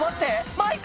マイク！